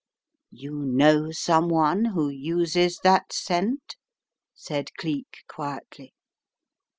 "You know some one who uses that scent?" said Cleek quietly.